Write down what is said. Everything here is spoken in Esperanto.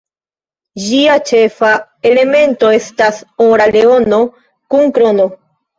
Ĝia ĉefa elemento estas ora leono kun krono.